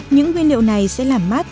những nguyên liệu này sẽ làm mát